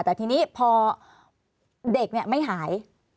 แต่ทีนี้พอเด็กไม่หาย